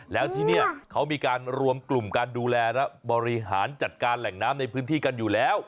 แล้วที่นี่เขามีการรวมกลุ่มการดูแลและบริหารจัดการแหล่งน้ำในพื้นที่กันอยู่แล้ว